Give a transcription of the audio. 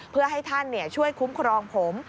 เพื่อให้ท่านช่วยคุ้มครองผม